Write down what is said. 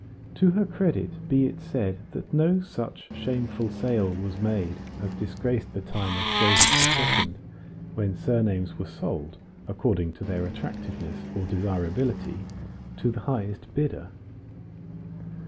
To her credit be it said that no such shameful sale was made as disgraced the time of Joseph II., when surnames were sold, according to their attractiveness or desirability, to the highest bidder.